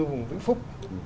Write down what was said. vùng vĩnh phúc